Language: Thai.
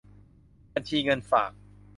บัญชีเงินฝาก